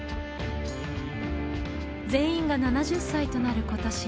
全員が７０歳となる今年